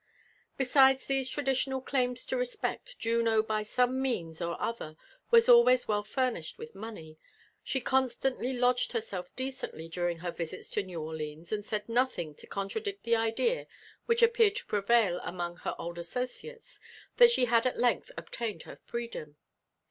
Besides these traditional claims to respect, Juno by some means or other was always well furnished with money : she constantly lodged herself decently during her visits to New Orleans, and said nothing to oontradict the idea which appeared to prevail among her old asso * olales, that she had at length obtained her freedom.